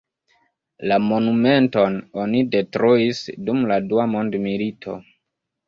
La monumenton oni detruis dum la dua mondmilito.